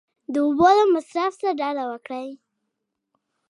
د اوبو د مصرف څخه ډډه وکړئ !